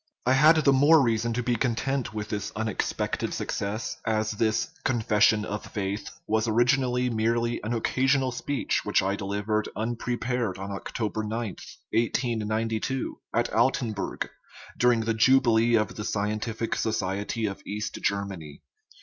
I had the more rea son to be content with this unexpected success, as this " confession of faith " was originally merely an occa sional speech which I delivered unprepared on October 9, 1892, at Altenburg, during the jubilee of the Scien tific Society of East Germany.